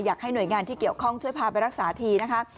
อยากให้หน่วยงานที่เกี่ยวข้องช่วยพาไปรักษาทีนะคะ